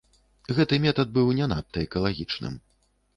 Гэты метад быў не надта экалагічным.